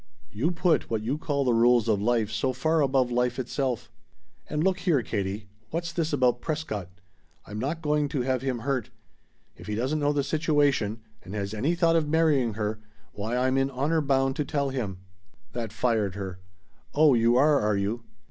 You put what you call the rules of life so far above life itself." "And look here, Katie, what's this about Prescott? I'm not going to have him hurt. If he doesn't know the situation, and has any thought of marrying her why I'm in honor bound to tell him." That fired her. "Oh you are, are you?